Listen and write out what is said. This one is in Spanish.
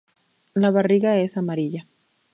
La barriga es amarilla.